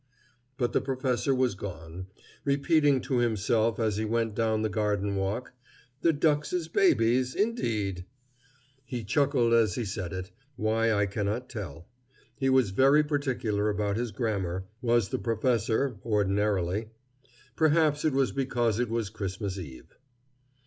But the professor was gone, repeating to himself as he went down the garden walk: "The duckses' babies, indeed!" He chuckled as he said it, why I cannot tell. He was very particular about his grammar, was the professor, ordinarily. Perhaps it was because it was Christmas eve.